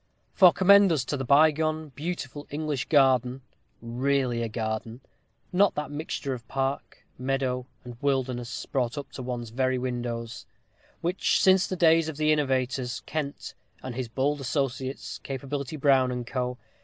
for commend us to the bygone, beautiful English garden really a garden not that mixture of park, meadow, and wilderness, brought up to one's very windows which, since the days of the innovators, Kent, and his "bold associates," Capability Brown and Co.